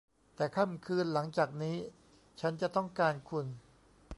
แต่ค่ำคืนหลังจากนี้ ฉันจะต้องการคุณ